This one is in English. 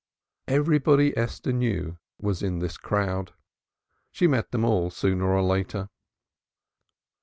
Everybody Esther knew was in the crowd she met them all sooner or later.